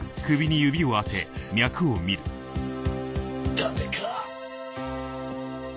ダメか。